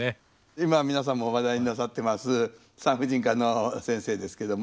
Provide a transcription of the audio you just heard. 今皆さんも話題になさってます産婦人科の先生ですけども。